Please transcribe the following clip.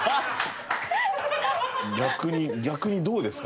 逆に逆にどうですか？